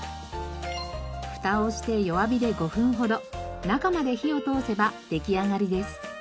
フタをして弱火で５分ほど中まで火を通せば出来上がりです。